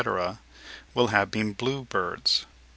will all have been blue birds.